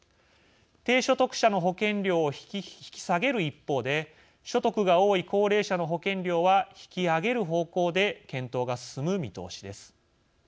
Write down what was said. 低所得者の保険料を引き下げる一方で所得が多い高齢者の保険料は引き上げる方向で検討が進む見通しです。